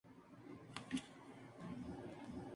Los colores del equipo son similares a Wolverhampton Wanderers.